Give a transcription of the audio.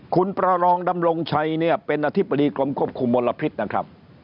คุณประรองดำรงชัยเนี่ยเป็นอธิบดีกรมควบคุมมลพิษนะครับ